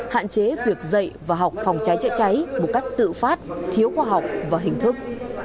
hạn chế việc dạy và học phòng cháy chữa cháy một cách tự phát thiếu khoa học và hình thức